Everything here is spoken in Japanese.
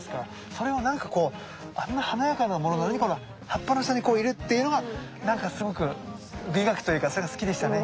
それをなんかこうあんな華やかなものなのに葉っぱの下にこういるっていうのがなんかすごく美学というかそれが好きでしたね。